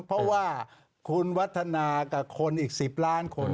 เพราะว่าคุณวัฒนากับคนอีก๑๐ล้านคน